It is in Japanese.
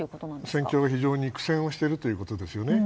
戦況が非常に苦戦をしているということですよね。